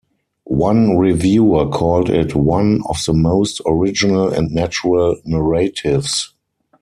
One reviewer called it "one of the most original and natural narratives".